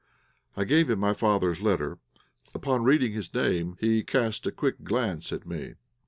I gave him my father's letter. Upon reading his name he cast a quick glance at me.